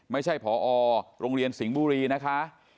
ไม่ใช่ผอโรงเรียนสิงห์บุรีนะคะ